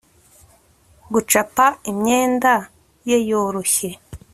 gucapa imyenda ye yoroshye